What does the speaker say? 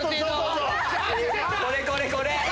これこれこれ！